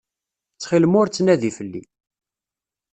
Ttxilem ur ttnadi fell-i.